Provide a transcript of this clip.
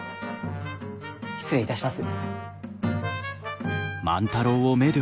失礼いたします。